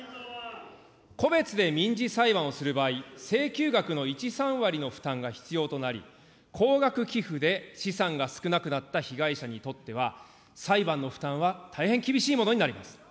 個別で民事裁判をする場合、請求額の１ー３割の負担が必要となり、高額寄付で資産が少なくなった被害者にとっては裁判の負担は大変厳しいものになります。